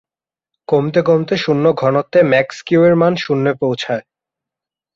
কমতে কমতে শুন্য ঘনত্বে ম্যাক্স কিউ এর মান শূন্যে পৌছায়।